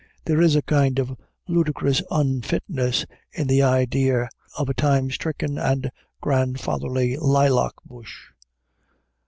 There is a kind of ludicrous unfitness in the idea of a time stricken and grandfatherly lilac bush.